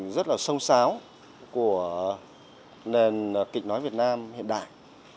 rất là sông sáo của nền kịch nói việt nam hiện đại